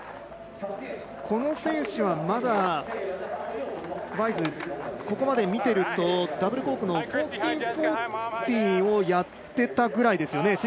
この選手はまだワイズ、ここまで見ているとダブルコークの１４４０をやってたぐらいですよね。